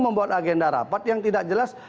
membuat agenda rapat yang tidak jelas